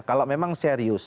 kalau memang serius